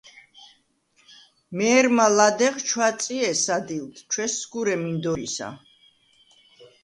მე̄რმა ლადეღ ჩვაწჲე სადილდ, ჩვესსგურე მინდორისა.